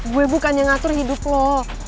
gue bukannya ngatur hidup lo